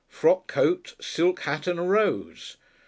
Frock coat, silk hat and a rose!